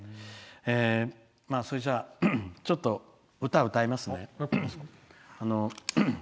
それじゃちょっと歌、歌いますね。